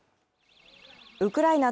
ウクライナ